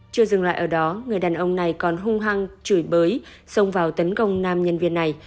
chưa dừng lại ở đó người đàn ông này còn hung hăng chửi bới xông vào tấn công nam nhân viên này